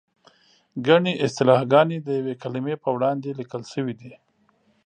ګڼې اصطلاحګانې د یوې کلمې په وړاندې لیکل شوې دي.